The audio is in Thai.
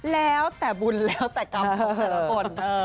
แล้วแต่บุญแล้วแต่กรรมของแต่ละคน